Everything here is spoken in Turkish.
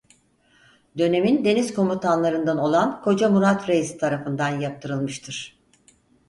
Dönemin deniz komutanlarından olan Koca Murat Reis tarafından yaptırılmıştır.